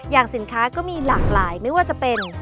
สินค้าก็มีหลากหลายไม่ว่าจะเป็น